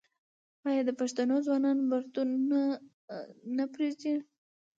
آیا د پښتنو ځوانان بروتونه نه پریږدي؟